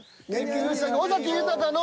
尾崎豊の。